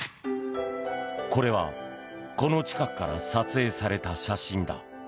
これはこの近くから撮影された写真だ。